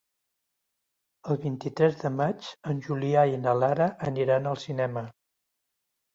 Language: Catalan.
El vint-i-tres de maig en Julià i na Lara aniran al cinema.